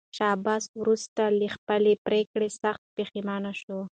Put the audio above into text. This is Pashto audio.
شاه عباس وروسته له خپلې پرېکړې سخت پښېمانه شو.